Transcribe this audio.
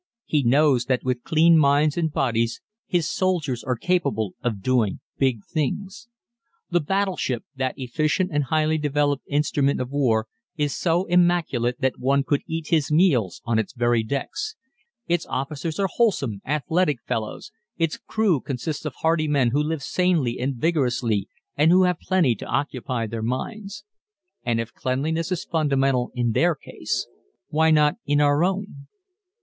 He knows that with clean minds and bodies his soldiers are capable of doing big things. The battleship, that efficient and highly developed instrument of war, is so immaculate that one could eat his meals on its very decks. Its officers are wholesome, athletic fellows; its crew consists of hardy men who live sanely and vigorously and who have plenty to occupy their minds. And if cleanliness is fundamental in their case why not in our own?